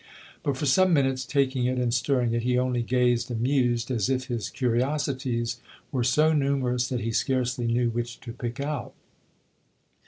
But for some minutes, taking it and stirring it, he only gazed and mused, as if his curiosities were so numerous that he scarcely knew which to pick out.